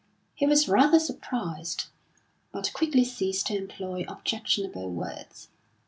He was rather surprised, but quickly ceased to employ objectionable words.